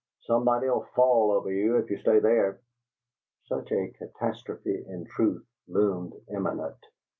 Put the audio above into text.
"Somebody 'll fall over you if you stay there." Such a catastrophe in truth loomed imminent.